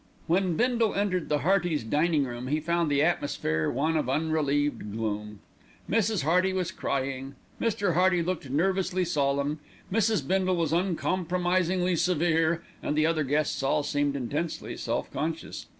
When Bindle entered the Heartys' dining room he found the atmosphere one of unrelieved gloom. Mrs. Hearty was crying, Mr. Hearty looked nervously solemn, Mrs. Bindle was uncompromisingly severe, and the other guests all seemed intensely self conscious.